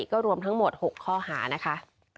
ก็รวมทั้งหมด๖ข้อหานะคะ